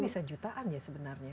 jadi bisa jutaan ya sebenarnya